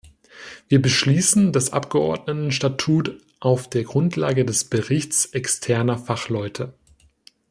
Wir beschließen das Abgeordnetenstatut auf der Grundlage des Berichts externer Fachleute.